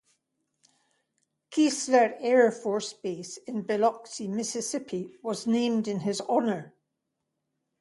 Keesler Air Force Base in Biloxi, Mississippi was named in his honor.